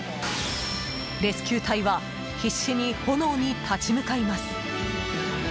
レスキュー隊は必死に炎に立ち向かいます。